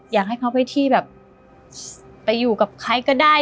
อยากให้เขาไปที่แบบไปอยู่กับใครก็ได้